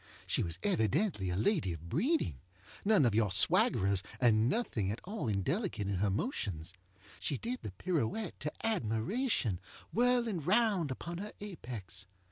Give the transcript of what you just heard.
She was evidently a lady of breeding. None of your swaggerers, and nothing at all indelicate in her motions. She did the pirouette to admirationŌĆöwhirling round upon her apex.